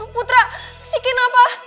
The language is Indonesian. putra si kenapa